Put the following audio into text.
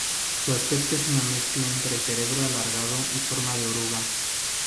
Su aspecto es una mezcla entre cerebro alargado y forma de oruga.